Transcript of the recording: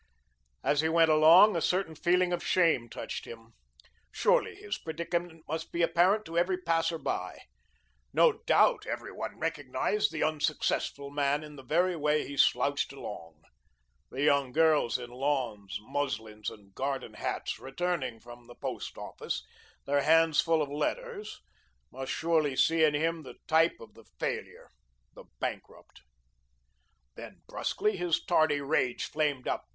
As he went along, a certain feeling of shame touched him. Surely his predicament must be apparent to every passer by. No doubt, every one recognised the unsuccessful man in the very way he slouched along. The young girls in lawns, muslins, and garden hats, returning from the Post Office, their hands full of letters, must surely see in him the type of the failure, the bankrupt. Then brusquely his tardy rage flamed up.